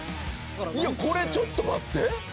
いやこれちょっと待って！